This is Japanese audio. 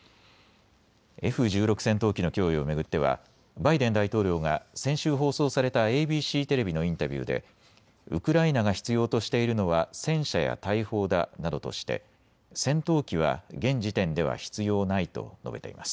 Ｆ１６戦闘機の供与を巡ってはバイデン大統領が先週放送されたＡＢＣテレビのインタビューでウクライナが必要としているのは戦車や大砲だなどとして戦闘機は現時点では必要ないと述べています。